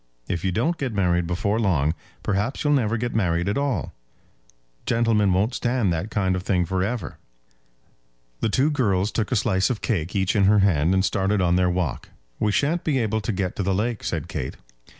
If you don't get married before long, perhaps you'll never get married at all. Gentlemen won't stand that kind of thing for ever." The two girls took a slice of cake each in her hand, and started on their walk. "We shan't be able to get to the lake," said Kate.